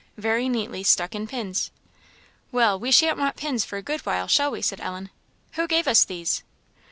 very neatly stuck in pins. "Well, we shan't want pins for a good while, shall we?" said Ellen. "Who gave us these?"